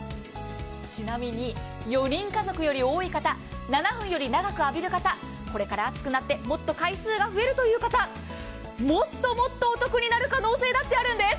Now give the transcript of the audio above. ちなみに、４人家族より多い方、７分より長く浴びる方これから暑くなってもっと回数が増えるという方、もっともっとお得になる可能性だってあるんです。